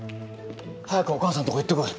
早くお母さんとこ行ってこい。